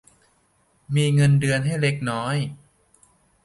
มีเงินเดือนให้เล็กน้อย